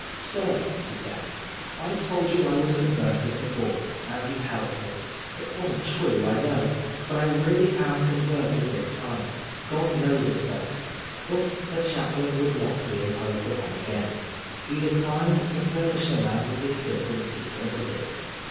" Sir," he said, " I've told you I was converted before, and you helped me. It wasn't true, I know ; but I am really converted this time. Gk)d knows it sir." But the chaplain would not be imposed upon again. He declined to furnish the man with the assistance he solicited.